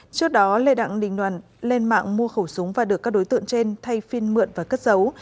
trước đó lê đặng đình hoàn lên mạng mua khẩu súng và được các đối tượng trên thay phiên mượn và cất dấu